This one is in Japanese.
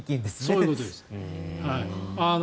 そういうことです。